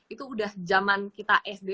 itu udah zaman kita sd